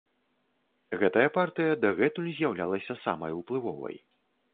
Гэтая партыя дагэтуль з'яўлялася самай уплывовай.